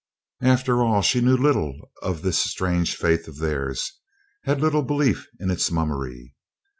After all, she knew little of this strange faith of theirs had little belief in its mummery.